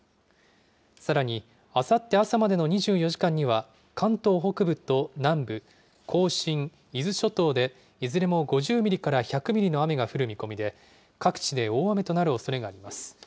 さらにあさって朝までの２４時間には、関東北部と南部、甲信、伊豆諸島でいずれも５０ミリから１００ミリの雨が降る見込みで、各地で大雨となるおそれがあります。